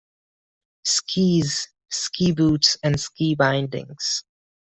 Skis, Ski Boots and Ski Bindings.